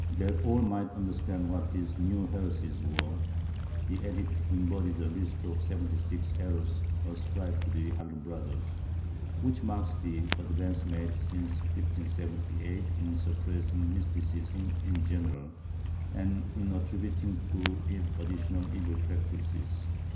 That all might under stand what these new heresies were, the edict embodied a list of seventy six errors ascribed to the Alumbrados, which marks the advance made since 1578 in suppressing mysticism in general and in attributing to it additional evil practices.